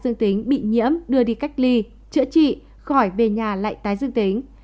dương tính bị nhiễm đưa đi cách ly chữa trị khỏi về nhà lại tái dương tính